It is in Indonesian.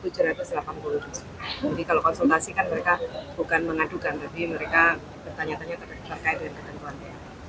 jadi kalau konsultasi kan mereka bukan mengadukan tapi mereka pertanyaannya terkait dengan ketentuan thr